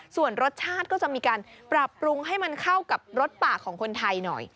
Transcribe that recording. ส่วนรสชาติก็จะมีการปรับปรุงให้มันเข้ากับรสปากของคนไทยหน่อย